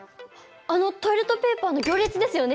あのトイレットペーパーの行列ですよね？